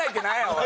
おい。